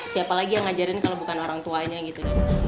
siapa lagi yang ngajarin kalau bukan orang tuanya gitu